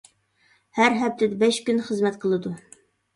ھەر ھەپتىدە بەش كۈن خىزمەت قىلىدۇ.